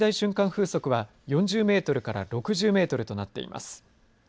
風速は４０メートルから６０メートルとなっています。